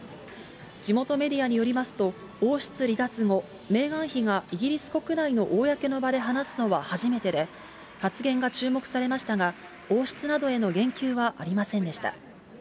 地元メディアによりますと、王室離脱後、メーガン妃がイギリス国内の公の場で話すのは初めてで、発言が注目されましたが、王室などへの言及はありませんでした。